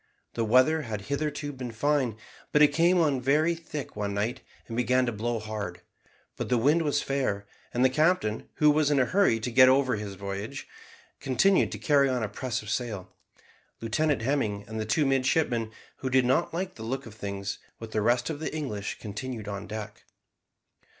The weather had hitherto been fine, but it came on very thick one night, and began to blow hard; but the wind was fair, and the captain, who was in a hurry to get over his voyage, continued to carry on a press of sail. Lieutenant Hemming and the two midshipmen, who did not like the look of things, with the rest of the English, continued on deck.